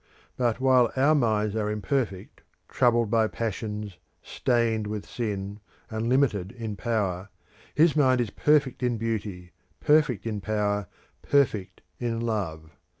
But while our minds are imperfect, troubled by passions, stained with sin, and limited in power, his mind is perfect in beauty, perfect in power, perfect in love.